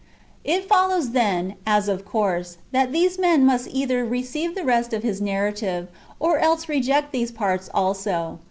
It follows then, as of course, that these men must either receive the rest of liis narrative, or else reject these parts also.